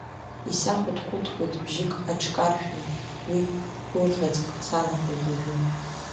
Исахәыҭ-хәыҭуеит бжьык аҽкаршәны, уи гәырӷьаӡк санаҳәоит уажәы.